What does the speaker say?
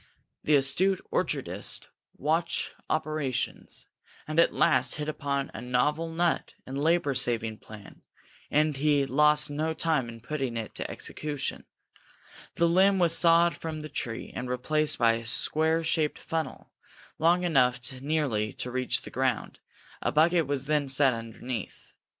The astute orchardist watched operations, and at last hit upon a novel nut and labor saving plan, and he lost no time in putting it into execution. The limb was sawed from the tree and replaced by a square shaped funnel, long enough nearly to reach the ground; a bucket was then set underneath.